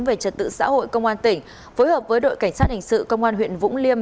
về trật tự xã hội công an tỉnh phối hợp với đội cảnh sát hình sự công an huyện vũng liêm